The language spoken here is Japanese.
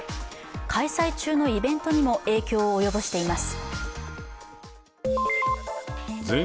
開催中のイベントにも影響を及ぼしています。